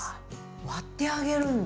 割ってあげるんだ。